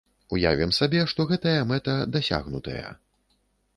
Уявім сабе, што гэтая мэта дасягнутая.